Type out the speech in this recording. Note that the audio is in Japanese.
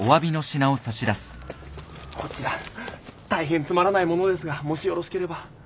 こちら大変つまらない物ですがもしよろしければ。